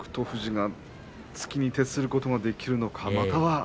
富士が突きに徹することができるのか。